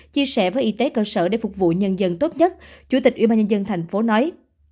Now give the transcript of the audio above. chia sẻ với y tế cơ sở để phục vụ nhân dân tốt nhất chủ tịch ubnd tp nói